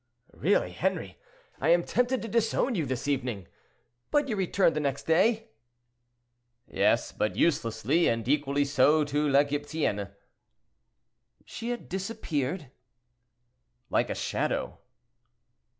"Really, Henri, I am tempted to disown you this evening. But you returned the next day?" "Yes, but uselessly, and equally so to La Gypecienne." "She had disappeared?" "Like a shadow."